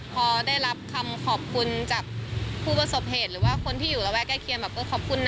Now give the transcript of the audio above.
พอได้รับคำขอบคุณจากผู้ประสบเหตุหรือว่าคนที่อยู่ระแวะใกล้เคียงแบบเออขอบคุณนะ